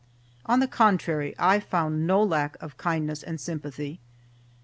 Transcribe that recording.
On the contrary, I found no lack of kindness and sympathy.